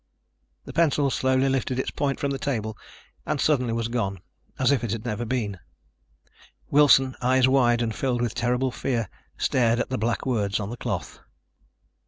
The pencil slowly lifted its point from the table and suddenly was gone, as if it had never been. Wilson, eyes wide and filled with terrible fear, stared at the black words on the cloth.